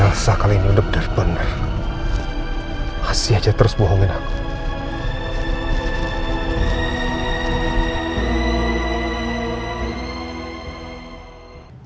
elsa kali ini udah bener bener pasti aja terus bohongin aku